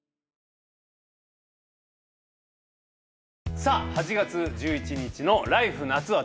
さあ８月１１日の「ＬＩＦＥ！夏」はですね